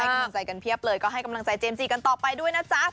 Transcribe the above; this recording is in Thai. กำลังใจกันเพียบเลยก็ให้กำลังใจเจมสจีกันต่อไปด้วยนะจ๊ะ